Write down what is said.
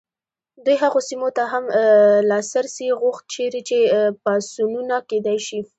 دوی هغو سیمو ته هم لاسرسی غوښت چیرې چې پاڅونونه کېدای شي.